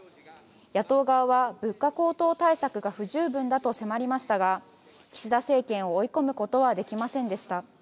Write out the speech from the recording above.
野党側は物価高騰対策が不十分だと迫りましたが岸田政権を追い込むことはできませんでした。